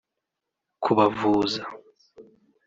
kubavuza